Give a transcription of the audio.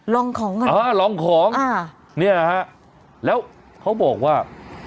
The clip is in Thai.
ลองของกันอ่าลองของอ่าเนี่ยนะฮะแล้วเขาบอกว่า